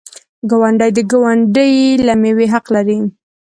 ګاونډی د ګاونډي له میوې حق لري.